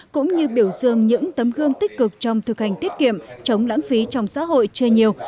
cũng như biểu dương những tấm gương tích cực trong thực hành tiết kiệm chống lãng phí trong xã hội chưa nhiều